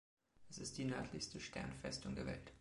Es ist die nördlichste Sternfestung der Welt.